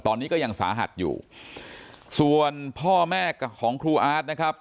ตอนนี้ก็ยังสาหัสอยู่ส่วนพ่อแม่ของครูอาร์ตนะครับ